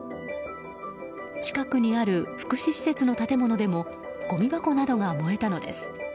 近くにある福祉施設の建物でもごみ箱などが燃えたのです。